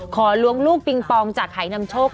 ล้วงลูกปิงปองจากหายนำโชค